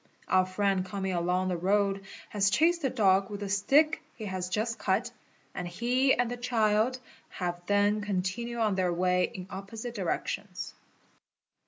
Our friend coming along the road has chased the dog with the stick he has just cut and he and the © child have then continued on their way in opposite directions.